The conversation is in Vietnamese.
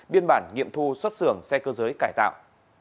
biên bản nghiệm thu xuất xưởng xe cơ giới cải tạo